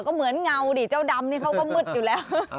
ก็เหมือนเงาดิเจ้าดำนี่เขาก็มืดอยู่แล้ว